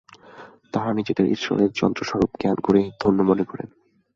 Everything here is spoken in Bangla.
তাঁরা নিজেদের ঈশ্বরের যন্ত্রস্বরূপ জ্ঞান করেই ধন্য মনে করেন।